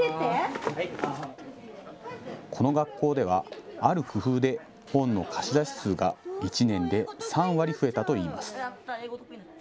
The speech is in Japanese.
この学校ではある工夫で本の貸し出し数が１年で３割増えたといいます。